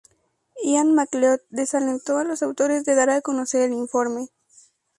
Ian Macleod desalentó a los autores de dar a conocer el informe.